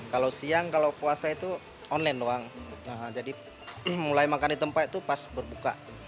kalau siang kalau puasa itu online doang jadi mulai makan di tempat itu pas berbuka